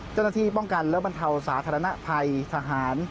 เจ้าหน้าที่ป้องกันและบรรเทาสาธารณภัยทหาร